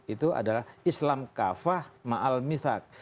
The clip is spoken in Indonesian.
itu adalah islam kafah ma'al mithak